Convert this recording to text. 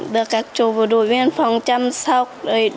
được các chủ vụ đối viên phòng chăm sóc